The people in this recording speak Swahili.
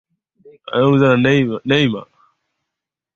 Kwa sasa linashika nafasi ya nne barani humo